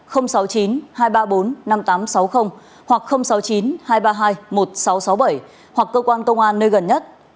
hoặc sáu mươi chín hai trăm ba mươi hai một nghìn sáu trăm sáu mươi bảy hoặc cơ quan công an nơi gần nhất